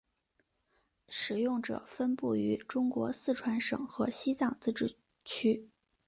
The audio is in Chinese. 使用者分布于中国四川省和西藏自治区。